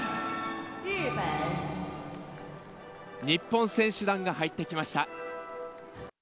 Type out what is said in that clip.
日本選手団が入ってきました。